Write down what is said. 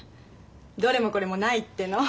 どれもこれもないっての。